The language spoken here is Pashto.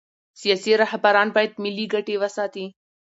سیاسي رهبران باید ملي ګټې وساتي